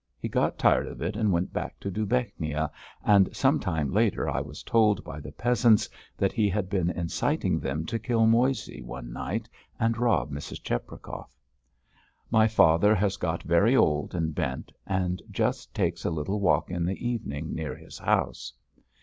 He got tired of it and went back to Dubechnia, and some time later I was told by the peasants that he had been inciting them to kill Moissey one night and rob Mrs. Cheprakov. My father has got very old and bent, and just takes a little walk in the evening near his house.